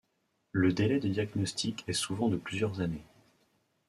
Le délai de diagnostic est souvent de plusieurs années.